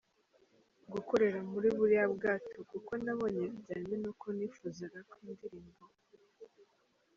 gukorera muri buriya bwato kuko nabonye bijyanye nuko nifuzaga ko indirimbo.